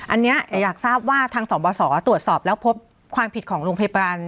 อันนี้อยากทราบว่าทางสบสตรวจสอบแล้วพบความผิดของโรงพยาบาล